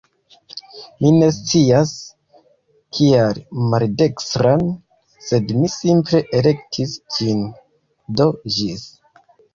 Mi ne scias, kial maldekstran, sed mi simple elektis ĝin. Do ĝis!